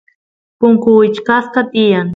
punku wichqasqa tiyan